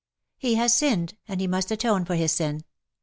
He has sinned^ and he must atone for his sin.